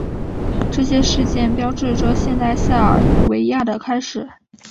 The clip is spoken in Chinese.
这些事件标志着现代塞尔维亚的开始。